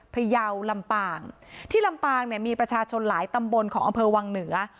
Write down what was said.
พยาวลำปางที่ลำปางเนี่ยมีประชาชนหลายตำบลของอำเภอวังเหนือ